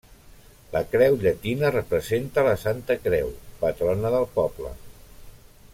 La creu llatina representa la Santa Creu, patrona del poble.